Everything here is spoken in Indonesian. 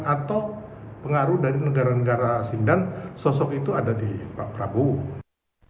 atau pengaruh dari negara negara asing dan sosok itu ada di pak prabowo